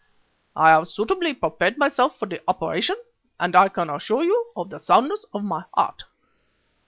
I have suitably prepared myself for the operation, and I can assure you of the soundness of my heart.